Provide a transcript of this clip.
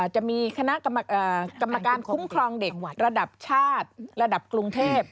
จะมีคณะกรรมการคุ้มครองเด็กระดับชาติระดับกรุงเทพ